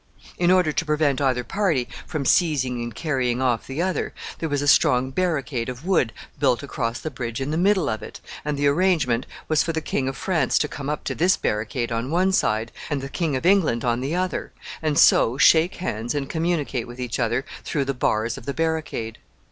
In order to prevent either party from seizing and carrying off the other, there was a strong barricade of wood built across the bridge in the middle of it, and the arrangement was for the King of France to come up to this barricade on one side, and the King of England on the other, and so shake hands and communicate with each other through the bars of the barricade.